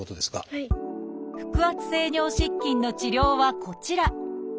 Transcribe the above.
腹圧性尿失禁の治療はこちら。